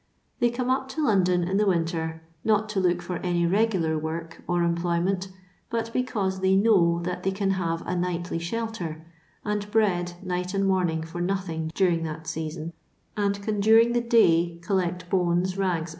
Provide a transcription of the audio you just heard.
They come up to London in the winter, not to look for any regular work or em ployment, but because they know that they can have a nightly shelter, and bread night and morning for nothing, during that season, and can during the day collect bones, rags, &c.